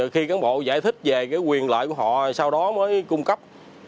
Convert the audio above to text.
khi cán bộ giải thích về quyền lợi của họ sau đó mới cung cấp